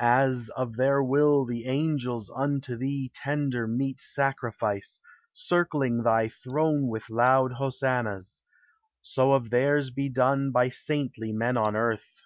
As, of their will, the angels unto thee Tender meet sacrifice, circling thy throne With loud hosannas; so of theirs be done 438 THE HIGHER LIFE. By saintly men on earth.